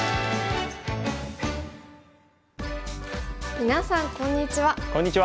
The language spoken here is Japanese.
みなさんこんにちは。